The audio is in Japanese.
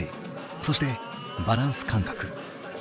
そしてバランス感覚。